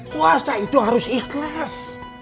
puasa itu harus ikhlas